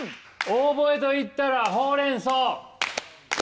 オーボエと言ったらほうれんそう。